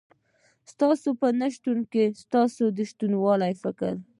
ستا په نشتون کي ستا د شتون فکر